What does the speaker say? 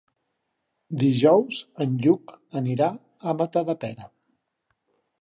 Dijous en Lluc anirà a Matadepera.